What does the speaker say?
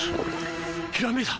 ひらめいた！